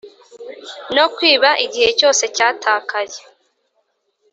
no kwiba igihe cyose cyatakaye.